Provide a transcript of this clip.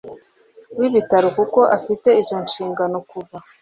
w ibitaro kuko afite izo nshingano kuva